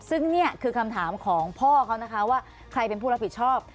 ซึ่งนี่คือคำถามของพ่อเขานะคะว่าใครเป็นผู้รับผิดชอบ